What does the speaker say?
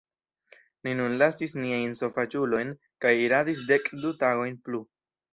Ni nun lasis niajn sovaĝulojn kaj iradis dekdu tagojn plu.